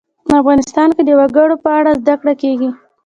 افغانستان کې د وګړي په اړه زده کړه کېږي.